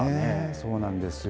そうなんですよ。